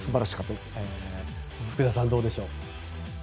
福田さん、どうでしょう。